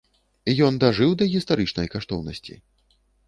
Ён дажыў да гістарычнай каштоўнасці?